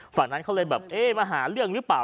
ฝั่งนั้นเขาเลยแบบเอ๊ะมาหาเรื่องหรือเปล่า